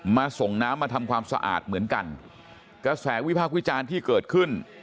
ส่งน้ำมาทำความสะอาดเหมือนกันกระแสวิพากษ์วิจารณ์ที่เกิดขึ้น